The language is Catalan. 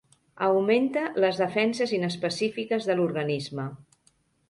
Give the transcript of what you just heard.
Augmenta les defenses inespecífiques de l'organisme.